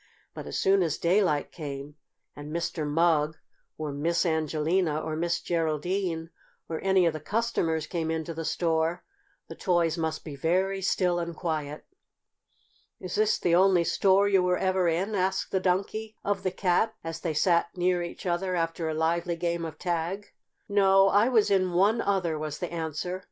But as soon as daylight came and Mr. Mugg or Miss Angelina or Miss Geraldine or any of the customers came into the store, the toys must be very still and quiet. "Is this the only store you were ever in?" asked the Donkey of the Cat, as they sat near each other after a lively game of tag. "No, I was in one other," was the answer.